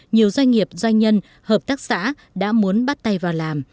nhiều doanh nghiệp doanh nhân hợp tác xã đã muốn bắt tay vào làm